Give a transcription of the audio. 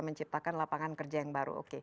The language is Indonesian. menciptakan lapangan kerja yang baru oke